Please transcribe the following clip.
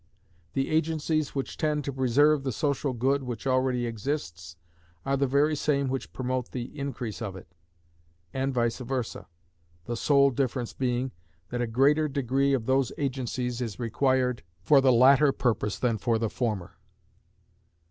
The agencies which tend to preserve the social good which already exists are the very same which promote the increase of it, and vice versâ, the sole difference being, that a greater degree of those agencies is required for the latter purpose than for the former.